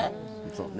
そうね